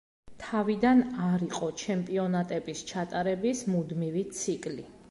თავიდან არ იყო ჩემპიონატების ჩატარების მუდმივი ციკლი.